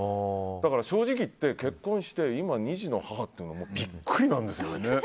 だから正直言って結婚して今、２児の母っていうのもビックリなんですよね。